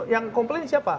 yang komplain siapa